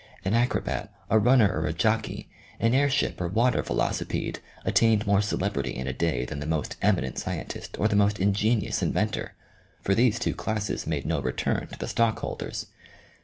An acrobat, a runner or a jockey, an air ship or water velocipede, attained more celebrity in a day than the most eminent scientist, or the most ingenious inventor for these two classes made no return to the stockholders.